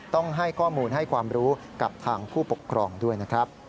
ต้องให้ข้อมูลให้ความรู้กับทางผู้ปกครองด้วยนะครับ